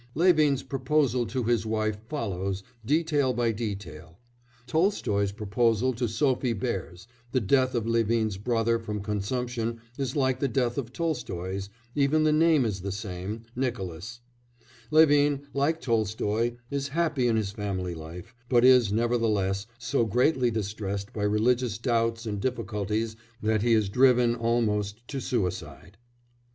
Levin's proposal to his wife follows, detail by detail, Tolstoy's proposal to Sophie Behrs; the death of Levin's brother from consumption is like the death of Tolstoy's even the name is the same Nicolas; Levin, like Tolstoy, is happy in his family life, but is, nevertheless, so greatly distressed by religious doubts and difficulties that he is driven almost to suicide.